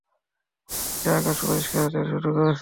অবশেষে আকাশ পরিষ্কার হতে শুরু করেছে!